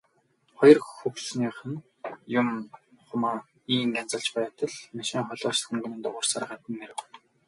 Хоёр хөгшнийг юм хумаа ийн янзалж байтал машин холоос хүнгэнэн дуугарсаар гадна нь ирэв.